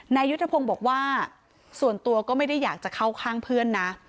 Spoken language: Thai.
นายยุทธพงศ์บอกว่าส่วนตัวก็ไม่ได้อยากจะเข้าข้างเพื่อนนะ